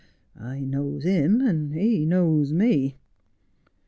I knows him and he knows me.